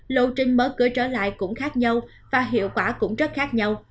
lộ trình mở cửa trở lại cũng khác nhau và hiệu quả cũng rất khác nhau